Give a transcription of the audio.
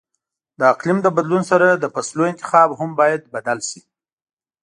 د اقلیم له بدلون سره د فصلو انتخاب هم باید بدل شي.